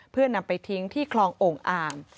เพื่อนำไปทิ้งที่คลองโอ่งอ่าง